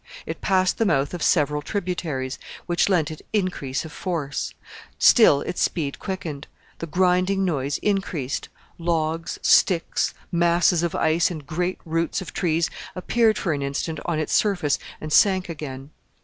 It passed the mouth of several tributaries, which lent it increase of force: still its speed quickened: the grinding noise increased logs, sticks, masses of ice and great roots of trees appeared for an instant on its surface and sank again.